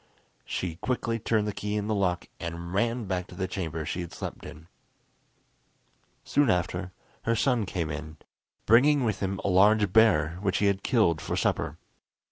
She quickly turned the key in the lock, and ran back to the chamber she had slept in. Soon after her son came in, bringing with him a large bear, which he had killed for supper.